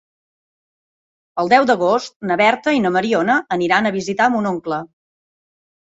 El deu d'agost na Berta i na Mariona aniran a visitar mon oncle.